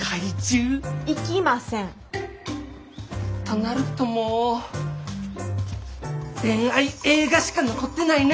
となるともう恋愛映画しか残ってないね。